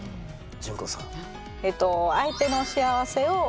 淳子さん。